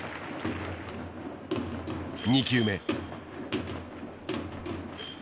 ２球目。